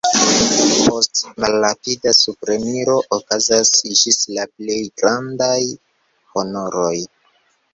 Poste, malrapida supreniro okazas ĝis la plej grandaj honoroj.